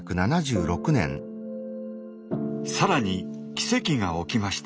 さらに奇跡が起きました。